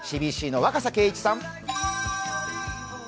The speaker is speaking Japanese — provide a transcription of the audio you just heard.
ＣＢＣの若狭敬一さん。